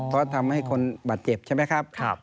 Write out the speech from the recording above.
เพราะทำให้คนบาดเจ็บใช่ไหมครับ